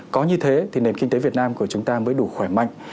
có như thế thì nền kinh tế việt nam của chúng ta mới đủ khỏe mạnh